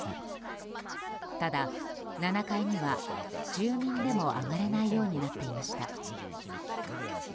ただ、７階には住民でも上がれないようになっていました。